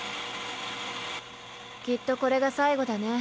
きっとこれが最後だね。